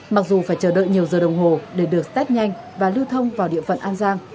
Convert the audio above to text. mặc dù phải chờ đợi nhiều giờ đồng hồ để được test nhanh và lưu thông vào địa phận an giang